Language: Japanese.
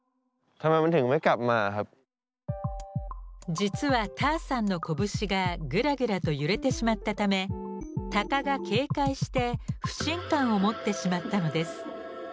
実はＴａｒさんの拳がグラグラと揺れてしまったため鷹が警戒して不信感を持ってしまったのです。